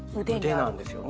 腕なんですよね。